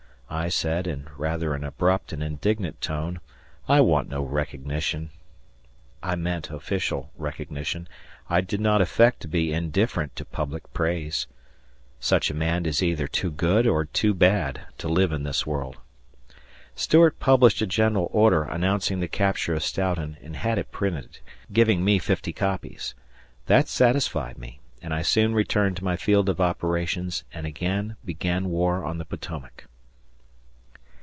I said, in rather an abrupt and indignant tone, "I want no recognition." I meant official recognition. I did not affect to be indifferent to public praise. Such a man is either too good or too bad to live in this world. Stuart published a general order announcing the capture of Stoughton and had it printed, giving me fifty copies. That satisfied me, and I soon returned to my field of operations and again began war on the Potomac.